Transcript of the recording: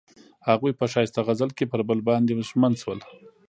هغوی په ښایسته غزل کې پر بل باندې ژمن شول.